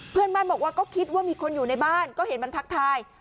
เพื่อนบ้านบอกว่าก็คิดว่ามีคนอยู่ในบ้านก็เห็นมันทักทาย